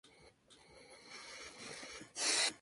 Pocos restos de la ruta se conservan hoy en día.